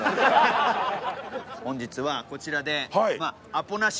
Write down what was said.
本日はこちらで。